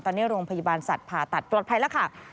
ตอนนี้โรงพยาบาลสัตว์ผ่าตัดปลอดภัยแล้วค่ะ